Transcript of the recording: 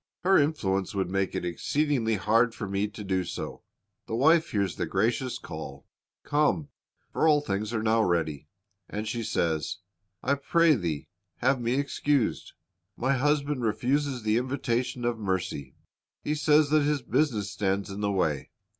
Her influence would make it exceedingly hard for me to do so." The wife hears the gracious call, "Come; for all things are now ready," and she says, "T pray thee have me excused.' My husband refuses the invitation of mercy. He says that his business stands in the way.